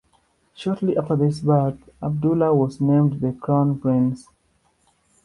Shortly after his birth, Abdullah was named the crown prince.